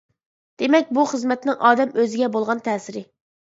دېمەك، بۇ خىزمەتنىڭ ئادەم ئۆزىگە بولغان تەسىرى.